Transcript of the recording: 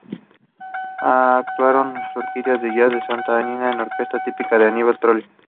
Actuaron la orquesta de jazz Santa Anita y la orquesta típica de Aníbal Troilo.